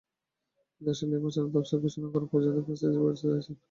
কিন্তু এরশাদ নির্বাচনের তফসিল ঘোষণা পর্যন্ত সময় নিয়ে পরিস্থিতি বুঝতে চাইছেন।